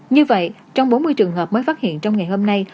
như vậy trong bốn mươi trường hợp mới phát hiện trong ngày hôm nay